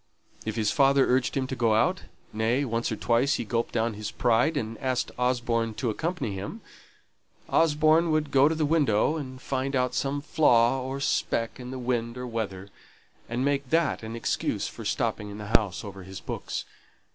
If his father urged him to go out nay, once or twice he gulped down his pride, and asked Osborne to accompany him Osborne would go to the window and find out some flaw or speck in the wind or weather, and make that an excuse for stopping in doors over his books.